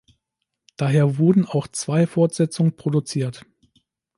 Daher wurden auch zwei Fortsetzungen produziert.